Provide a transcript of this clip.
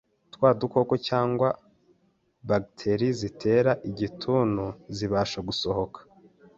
twa dukoko cyangwa bagiteri zitera igituntu zibasha gusohoka